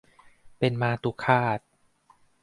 เป็นมาตุฆาต